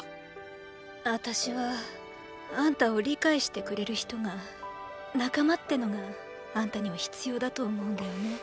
あたしはあんたを理解してくれる人がーー“仲間”ってのがあんたには必要だと思うんだよね。